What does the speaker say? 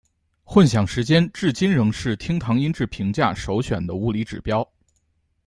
混响时间至今仍是厅堂音质评价首选的物理指标。